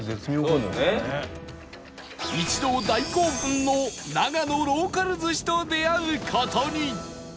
一同大興奮の長野ローカル寿司と出会う事に